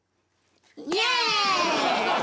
イェーイ！